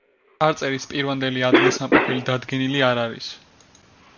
წარწერის პირვანდელი ადგილსამყოფელი დადგენილი არ არის.